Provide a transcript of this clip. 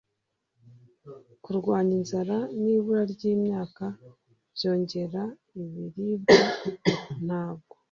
Kurwanya inzara n ibura ry imyaka byongera ibiribwa ntabwo